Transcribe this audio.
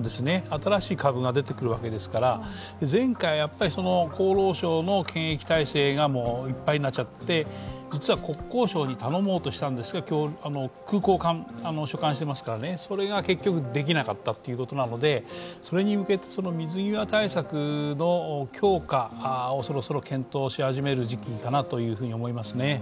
新しい株が出てくるわけですから前回、厚労省の検疫体制がいっぱいになっちゃって、実は国交省に頼もうとしたんですが、空港を所管していますからね、それが結局できなかったということなのでその水際対策の強化をそろそろ検討し始める時期かなと思いますね。